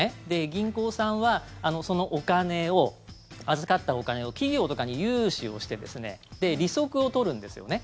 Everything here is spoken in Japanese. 銀行さんは、そのお金を預かったお金を企業とかに融資をして利息を取るんですよね。